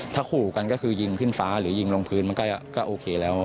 ถ้าขู่กันก็คือยิงขึ้นฟ้าหรือยิงลงพื้นมันก็โอเคแล้ว